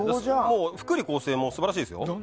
福利厚生も素晴らしいですよ。